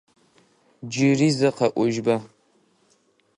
Джыри зэ къэӏожьба?